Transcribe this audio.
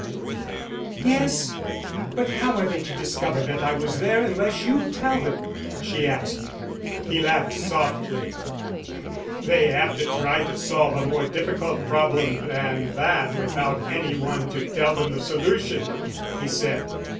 "Yes; but how are they to discover that I was there unless you tell them?" she asked. He laughed softly. "They have to try to solve a more difficult problem than that without any one to tell them the solution," he said.